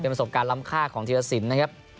ประสบการณ์ล้ำค่าของธีรสินนะครับ